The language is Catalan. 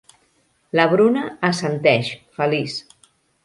La Bruna assenteix, feliç.